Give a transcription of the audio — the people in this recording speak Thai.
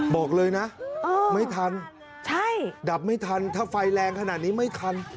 บอกเลยนะไม่ทันใช่ดับไม่ทันถ้าไฟแรงขนาดนี้ไม่ทัน